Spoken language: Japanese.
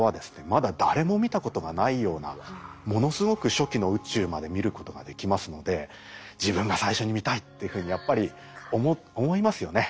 まだ誰も見たことがないようなものすごく初期の宇宙まで見ることができますので自分が最初に見たいっていうふうにやっぱり思いますよね。